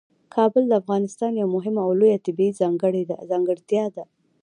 کابل د افغانستان یوه مهمه او لویه طبیعي ځانګړتیا ده.